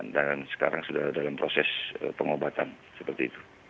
dan sekarang sudah dalam proses pengobatan seperti itu